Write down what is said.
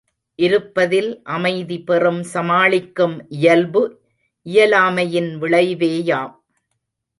இருப்பதில் அமைதிபெறும் சமாளிக்கும் இயல்பு இயலாமையின் விளைவேயாம்.